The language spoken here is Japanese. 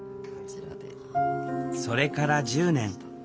それから１０年。